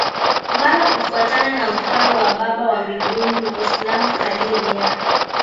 mara kufuatana na mfano wa Baba wa Mbinguni Mwislamu kadiri ya